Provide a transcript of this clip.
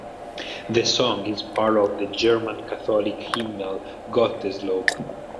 The song is part of the German Catholic hymnal "Gotteslob".